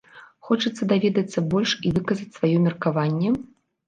Хочаце даведацца больш і выказаць сваё меркаванне?